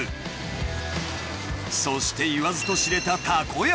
［そして言わずと知れた］